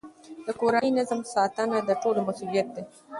د کورني نظم ساتنه د ټولو مسئولیت دی.